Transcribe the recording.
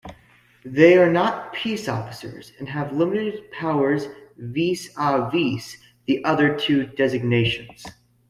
They are not peace officers and have limited powers "vis-a-vis" the other two designations.